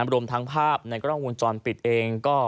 รวมทั้งภาพในกล้องวงจรปิดเอง